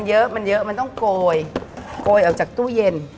เออมันต้องโกยโกยออกจากตู้เย็น